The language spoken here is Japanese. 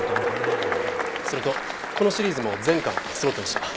それとこのシリーズも全巻そろってました。